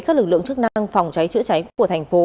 các lực lượng chức năng phòng cháy chữa cháy của thành phố